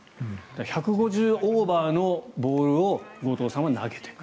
１５０ｋｍオーバーのボールを後藤さんは投げてくると。